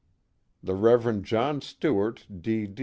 The Rev. John Stuart, D.